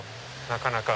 なかなか。